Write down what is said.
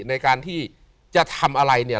ในการที่จะทำอะไรเนี่ย